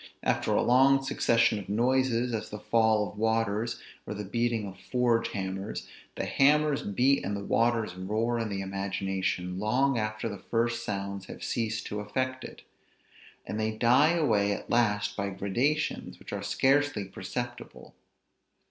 After a long succession of noises, as the fall of waters, or the beating of forge hammers, the hammers beat and the waters roar in the imagination long after the first sounds have ceased to affect it; and they die away at last by gradations which are scarcely perceptible.